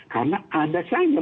karena ada saja